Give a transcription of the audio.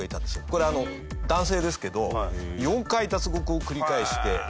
これあの男性ですけど４回脱獄を繰り返して。